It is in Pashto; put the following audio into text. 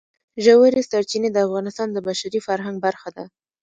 ژورې سرچینې د افغانستان د بشري فرهنګ برخه ده.